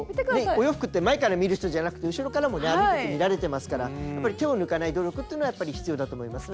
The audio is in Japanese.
お洋服って前から見る人じゃなくて後ろからもね歩いてて見られてますからやっぱり手を抜かない努力っていうのはやっぱり必要だと思いますね。